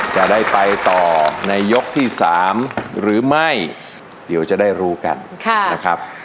จะได้ไปต่อในยกที่๓หรือไม่เดี๋ยวจะได้รู้กันนะครับ